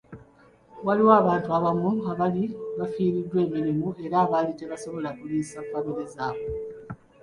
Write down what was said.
Waliwo abantu abamu abaali abafiiriddwa emirimu era baali tebasobola kuliisa famire zaabwe.